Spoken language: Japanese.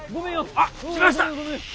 あっ来ました。